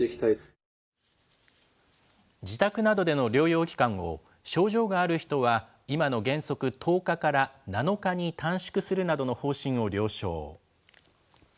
自宅などでの療養期間を症状がある人は今の原則１０日から７日に短縮するなどの方針を了承。